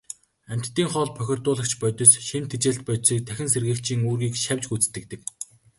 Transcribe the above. Амьтдын хоол, бохирдуулагч бодис, шим тэжээлт бодисыг дахин сэргээгчийн үүргийг шавж гүйцэтгэдэг.